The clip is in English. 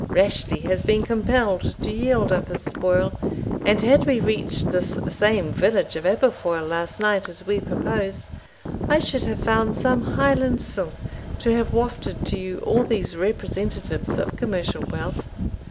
Rashleigh has been compelled to yield up his spoil, and had we reached this same village of Aberfoil last night, as we purposed, I should have found some Highland sylph to have wafted to you all these representatives of commercial wealth.